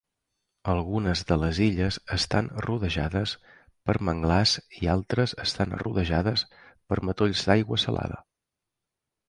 Algunes de les illes estan rodejades per manglars i altres estan rodejades per matolls d"aigua salada.